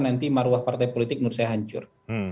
nanti maruah partai politik menurut saya hancur